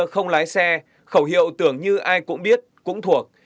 không lái xe khẩu hiệu tưởng như ai cũng biết cũng thuộc